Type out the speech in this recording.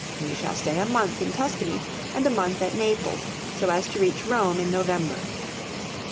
We shall stay a month in Tuscany and a month at Naples, so as to reach Rome in November.